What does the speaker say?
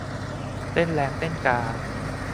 เต้นแร้งเต้นกา